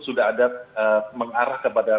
sudah ada mengarah kepada